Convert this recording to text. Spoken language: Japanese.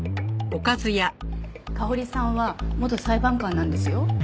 かほりさんは元裁判官なんですよ。